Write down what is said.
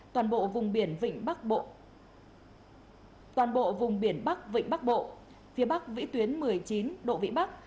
toàn bộ vùng biển bắc vịnh bắc bộ phía bắc vĩ tuyến một mươi chín độ vĩ bắc